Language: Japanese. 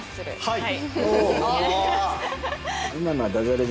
はい。